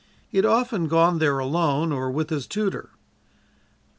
He had often gone there alone or with his tutor.